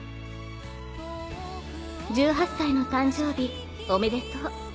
「１８歳の誕生日おめでとう。